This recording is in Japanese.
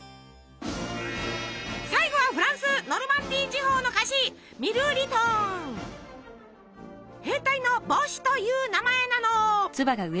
最後はフランスノルマンディー地方の菓子「兵隊の帽子」という名前なの。